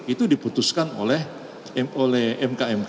itu diputuskan oleh mk mk